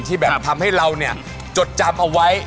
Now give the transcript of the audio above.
แบบทำให้เราเนี่ยจดจำเอาไว้